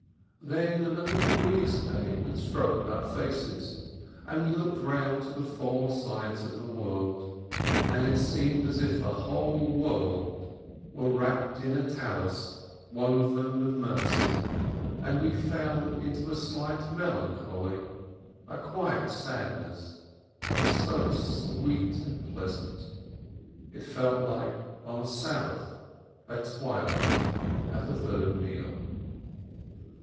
Then a little breeze came, and stroked our faces, and we looked round to the four sides of the world, and it seemed as if the whole world were wrapped in a prayer 536 ASCH scarf woven of mercy, and we fell into a slight melan choly, a quiet sadness, but so sweet and pleasant, it felt like on Sabbath at twilight at the Third Meal.